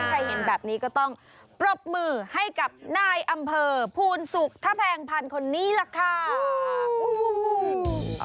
ใครเห็นแบบนี้ก็ต้องปรบมือให้กับนายอำเภอภูนสุขถ้าแพงพันธุ์คนนี้ล่ะค่ะ